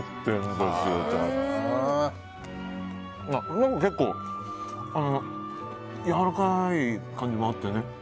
でも結構やわらかい感じもあってね。